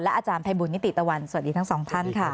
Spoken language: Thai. อาจารย์ภัยบุญนิติตะวันสวัสดีทั้งสองท่านค่ะ